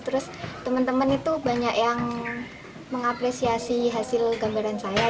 terus teman teman itu banyak yang mengapresiasi hasil gambaran saya